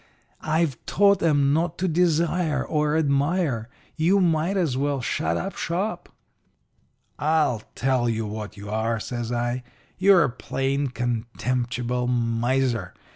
I've taught 'em not to desire or admire. You might as well shut up shop.' "'I'll tell you what you are,' says I. 'You're a plain, contemptible miser.